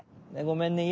ごめんね？